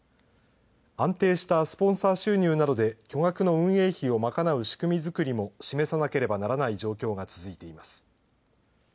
安定したスポンサー収入などで巨額の運営費を賄う仕組み作りも示さなければならない状況が続いています。